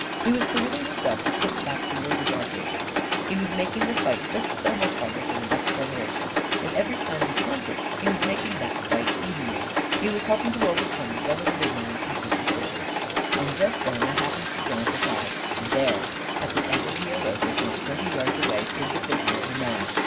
He was permit ting himself to slip back toward the Dark Ages ; he was making the fight just so much harder for the next generation; and every time he conquered, he was making that fight easier — he was helping to overcome the devils of ignorance and supersti tion •.• And just then, I happened to glance aside, and there, at the edge of the oasis, not twenty yards away, stood the figure of a man.